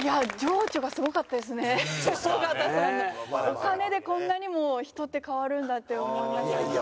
お金でこんなにも人って変わるんだって思いました。